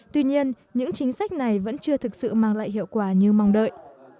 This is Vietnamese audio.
tuy nhiên những chính sách này vẫn chưa thực sự mang lại hiệu quả như mong đợi